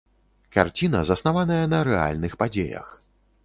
Карціна заснаваная на рэальных падзеях.